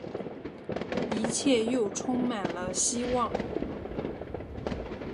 一切又充满了希望